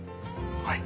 はい。